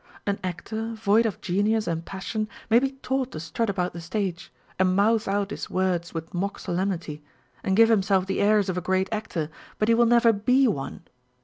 An actor void of genius and passion may be taught to strut about the stage, and mouth out his words with mock solemnity, and give himself the airs of a great actor, but he will never be one.